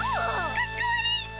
かっこ悪いっピ。